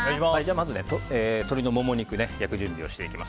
まずは鶏のモモ肉を焼く準備をしていきます。